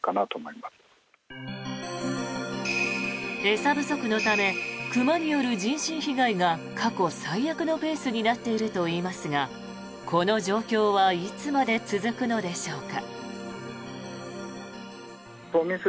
餌不足のため熊による人身被害が過去最悪のペースになっているといいますがこの状況はいつまで続くのでしょうか。